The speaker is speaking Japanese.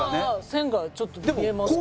線がちょっと見えますけど。